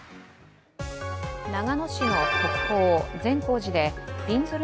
長野市の国法善光寺でびんずる